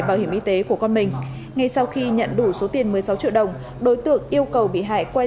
quản tế của con mình ngay sau khi nhận đủ số tiền một mươi sáu triệu đồng đối tượng yêu cầu bị hại quay